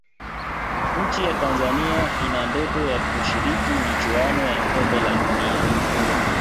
nchi ya Tanzania ina ndoto ya kushiriki michuano ya kombe la dunia